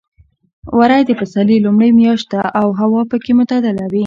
وری د پسرلي لومړۍ میاشت ده او هوا پکې معتدله وي.